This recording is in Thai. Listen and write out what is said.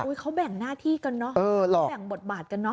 เขาแบ่งหน้าที่กันเนอะแบ่งบทบาทกันเนอ